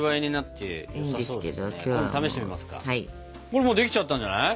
これもうできちゃったんじゃない？